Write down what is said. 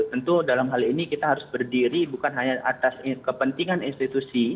tentu dalam hal ini kita harus berdiri bukan hanya atas kepentingan institusi